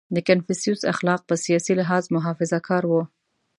• د کنفوسیوس اخلاق په سیاسي لحاظ محافظهکار وو.